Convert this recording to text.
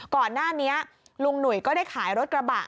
ก่อนหน้านี้ลุงหนุ่ยก็ได้ขายรถกระบะ